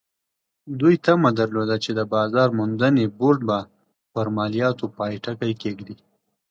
دوی تمه درلوده چې د بازار موندنې بورډ به پر مالیاتو پای ټکی کېږدي.